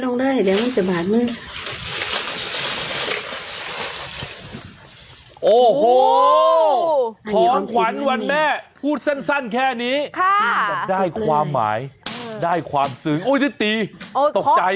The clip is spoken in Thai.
โอ้โหของขวัญวันแม่พูดสั้นแค่นี้ได้ความหมายได้ความสวยอุ้ยได้ตีตกใจ